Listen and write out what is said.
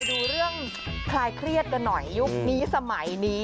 ดูเรื่องคลายเครียดกันหน่อยยุคนี้สมัยนี้